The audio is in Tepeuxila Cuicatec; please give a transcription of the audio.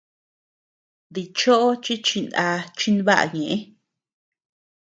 Dichoʼo chi chinaa chimbaʼa ñëʼe.